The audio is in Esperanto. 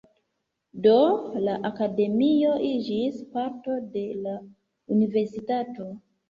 Do, la akademio iĝis parto de la universitato.